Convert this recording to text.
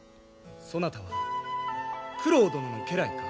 そなたは九郎殿の家来か？